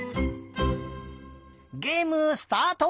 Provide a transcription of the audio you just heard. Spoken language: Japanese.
ゲームスタート！